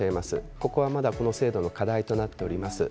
ここはこの制度の課題になっています。